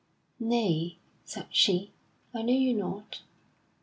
"Nay," said she, "I know you not."